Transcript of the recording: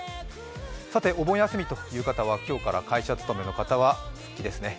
さてお盆休みという方は今日から会社勤めの方もいますね。